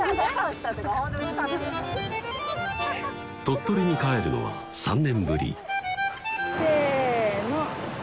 鳥取に帰るのは３年ぶりせの！